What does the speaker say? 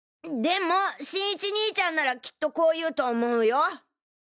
でも新一兄ちゃんならきっとこう言うと思うよ。